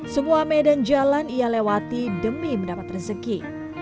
semua medan jalan ia lewati demi mendapat rezeki